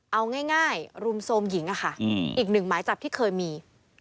เอาง่ายรุมโทรมหญิงอะค่ะอีกหนึ่งหมายจับที่เคยมี